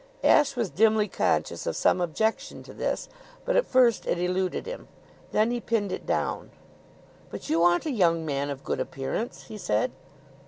Ashe was dimly conscious of some objection to this, but at first it eluded him. Then he pinned it down. "But you aren't a young man of good appearance," he said.